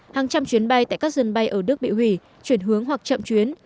hàng trăm chuyến bay tại các sân bay ở đức bị hủy chuyển hướng hoặc chậm chuyến